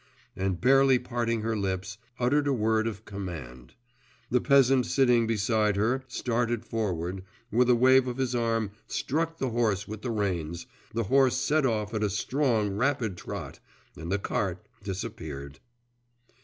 and barely parting her lips, uttered a word of command. The peasant sitting beside her started forward, with a wave of his arm struck the horse with the reins the horse set off at a strong rapid trot, and the cart disappeared.